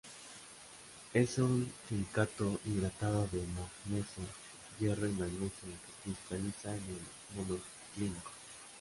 Es un silicato hidratado de manganeso, hierro y magnesio, que cristaliza en el Monoclínico.